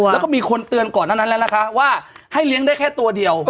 แล้วก็มีคนเตือนก่อนนะนะคะว่าให้เลี้ยงได้แค่ตัวเดียว